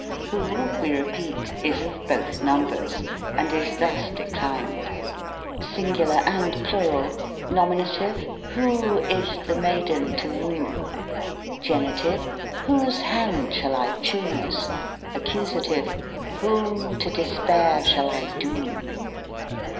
Who, we repeat, is of both num bers, and is thus declined :— ETYMOLOGY. 47 SINGULAR AND PLURAL. Nominative. Who Is the maiden to woo ? Genitive. Whose Hand shall I choose ? Accusative. Whom To despair shall I doom